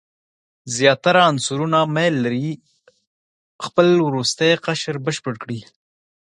زیاتره عنصرونه میل لري خپل وروستی قشر بشپړ کړي.